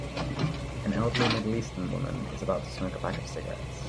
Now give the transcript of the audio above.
An elderly middleeastern woman is about to smoke a pack of cigarettes.